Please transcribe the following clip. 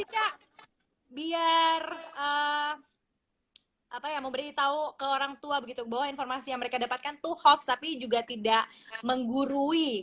cak biar memberi tahu ke orang tua bahwa informasi yang mereka dapatkan itu hoax tapi juga tidak menggurui